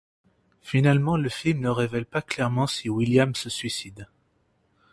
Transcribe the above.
Finalement, le film ne révèle pas clairement si William se suicide.